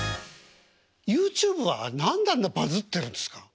ＹｏｕＴｕｂｅは何であんなバズってるんですか？